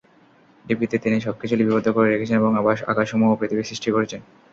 লিপিতে তিনি সব কিছু লিপিবদ্ধ করে রেখেছেন এবং আকাশসমূহ ও পৃথিবী সৃষ্টি করেছেন।